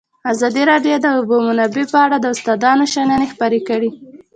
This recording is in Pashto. ازادي راډیو د د اوبو منابع په اړه د استادانو شننې خپرې کړي.